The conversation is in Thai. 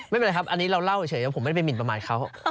ไม่เป็นไรครับอันนี้เราเล่าเฉยว่าผมไม่ได้ไปหมินประมาทเขา